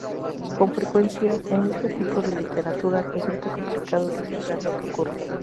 Con frecuencia, en este tipo de literatura, resulta complicado descifrar lo que ocurre.